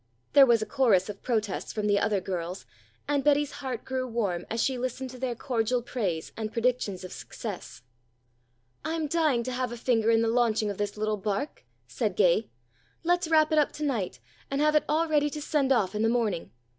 There was a chorus of protests from the other girls, and Betty's heart grew warm as she listened to their cordial praise and predictions of success. "I'm dying to have a finger in the launching of this little bark," said Gay. "Let's wrap it up tonight and have it all ready to send off in the morning.